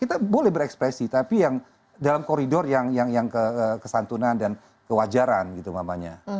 kita boleh berekspresi tapi yang dalam koridor yang kesantunan dan kewajaran gitu mamanya